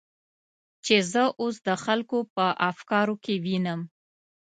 چې زه اوس د خلکو په افکارو کې وینم.